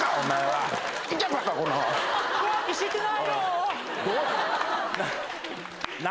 はい。